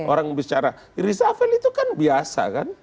orang bicara rizal afel itu kan biasa kan